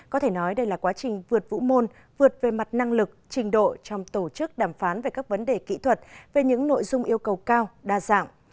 có thể nói đây là quá trình vượt vũ môn vượt về mặt năng lực trình độ trong tổ chức đàm phán về các vấn đề kỹ thuật về những nội dung yêu cầu cao đa dạng